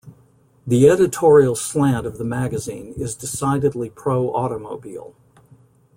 The editorial slant of the magazine is decidedly pro-automobile.